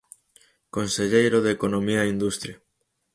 Conselleiro de Economía e Industria.